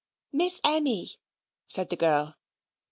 "Miss Emmy," said the girl.